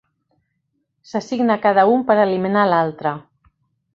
S'assigna cada un per eliminar l'altre.